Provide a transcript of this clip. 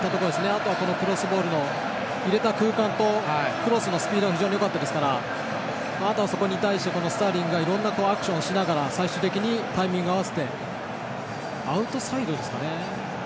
あとはクロスボールの入れた空間とクロスのスピードが非常によかったですからあとは、そこに対してスターリングがいろんなアクションをして最終的にタイミングを合わせて。